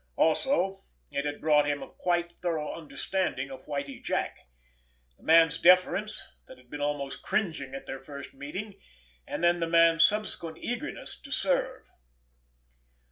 Also it had brought him a quite thorough understanding of Whitie Jack—the man's deference that had been almost cringing at their first meeting, and then the man's subsequent eagerness to serve.